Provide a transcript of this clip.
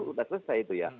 sudah selesai itu ya